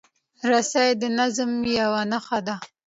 رسۍ د نظم یوه نښه ده.